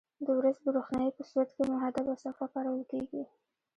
د ورځې د روښنایي په صورت کې محدبه صفحه کارول کیږي.